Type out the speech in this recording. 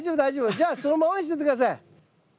じゃあそのままにしといて下さい。